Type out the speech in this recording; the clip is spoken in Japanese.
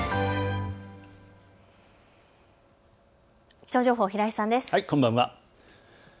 気象情報、平井さんです。